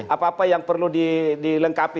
apa apa yang perlu dilengkapi